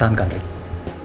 kalian jangan keringkan rick